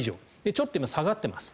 ちょっと下がってます。